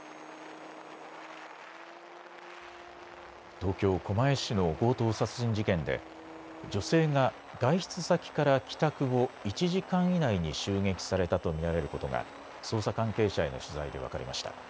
東京狛江市の強盗殺人事件で女性が外出先から帰宅後、１時間以内に襲撃されたと見られることが捜査関係者への取材で分かりました。